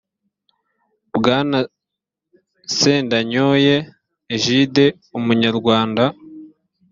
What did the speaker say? bwana sendanyoye egide umunyarwanda